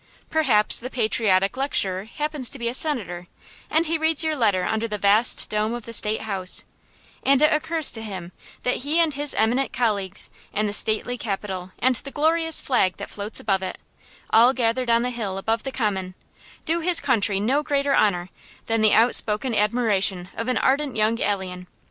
Perhaps the patriotic lecturer happens to be a Senator, and he reads your letter under the vast dome of the State House; and it occurs to him that he and his eminent colleagues and the stately capitol and the glorious flag that floats above it, all gathered on the hill above the Common, do his country no greater honor than the outspoken admiration of an ardent young alien.